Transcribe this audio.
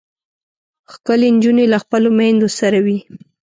ښکلې نجونې له خپلو میندو سره وي.